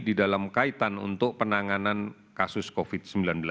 di dalam kaitan untuk penanganan kasus covid sembilan belas